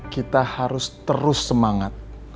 kita harus terus semangat